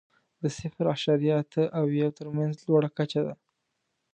د صفر اعشاریه اته او یو تر مینځ لوړه کچه ده.